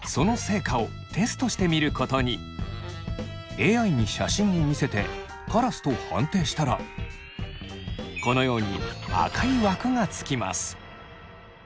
ＡＩに写真を見せてカラスと判定したらこのように赤い枠がつきます。